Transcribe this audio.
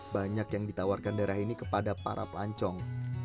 banyak yang ditawarkan daerah ini kepada para pelancong